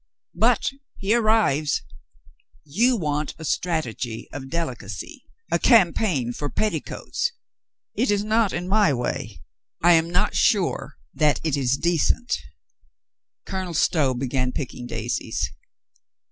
"But he arrives. You want a strategy of delicacy, a cam paign for petticoats. It is not in my way. I am not sure that it is decent." Colonel Stow began picking daisies.